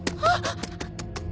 あっ！